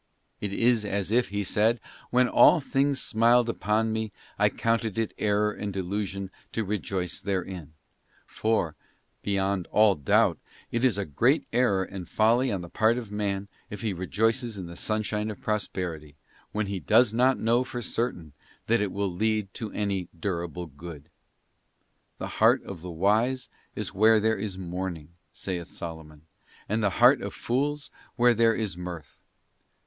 'f It is as if he said: when all things smiled upon me I counted it error and delusion to rejoice therein ; for, beyond all doubt, it is a great error and folly on the part of man if he rejoices in the sunshine of prosperity, when he does not know for certain that it will lead to any durable good. 'The heart of the wise is where there is mourning,' saith Solomon, ' and the heart of fools where there is mirth.